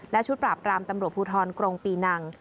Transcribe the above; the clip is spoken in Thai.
และชุดปราบรามตำรวจภูทรกรงปีนัง